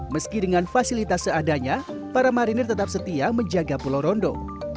meski dengan fasilitas seadanya para marinir tetap setia menjaga pulau rondo